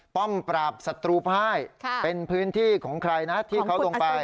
ป้อมปราบศัตรูภายเป็นพื้นที่ของใครนะที่เขาลงไป